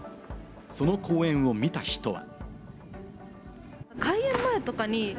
その公演を見た人は。